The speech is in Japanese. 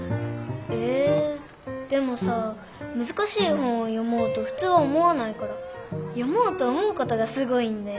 えでもさ難しい本を読もうと普通は思わないから読もうと思うことがすごいんだよ。